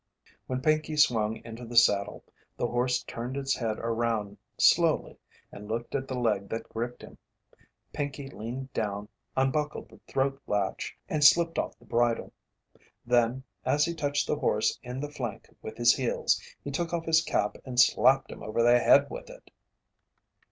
When Pinkey swung into the saddle, the horse turned its head around slowly and looked at the leg that gripped him. Pinkey leaned down, unbuckled the throat latch, and slipped off the bridle. Then, as he touched the horse in the flank with his heels, he took off his cap and slapped him over the head with it.